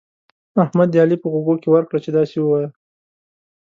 احمد د علي په غوږو کې ورکړه چې داسې ووايه.